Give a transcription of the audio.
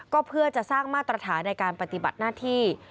ก็เพื่อจะสร้างมาตรฐานในการปฏิบัติหน้าที่